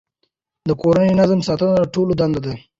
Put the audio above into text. د کورني نظم ساتنه د ټولو دنده ده.